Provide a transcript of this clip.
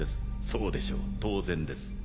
そうでしょう当然です。